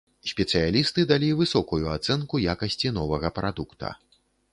Спецыялісты далі высокую ацэнку якасці новага прадукта.